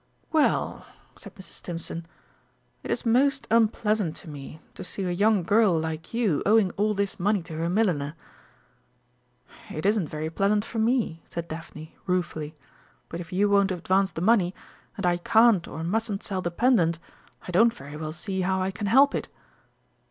"Well," said Mrs. Stimpson, "it is most unpleasant to me to see a young girl like you owing all this money to her milliner." "It isn't very pleasant for me," said Daphne ruefully; "but if you won't advance the money, and I can't or mustn't sell the pendant, I don't very well see how I can help it."